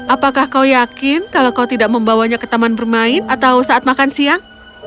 apakah kau yakin kalau kau tidak membawanya ke taman bermain atau saat makan siang